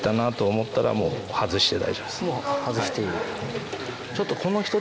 もう外していい。